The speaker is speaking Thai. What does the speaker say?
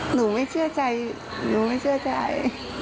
หนูไม่เชื่อใจหนูไม่เชื่อใจ